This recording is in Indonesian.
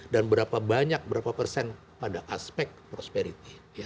dan berapa banyak berapa persen pada aspek prosperity